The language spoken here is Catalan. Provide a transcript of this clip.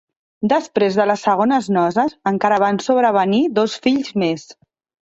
Després de les segones noces encara van sobrevenir dos fills més.